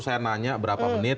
saya nanya berapa menit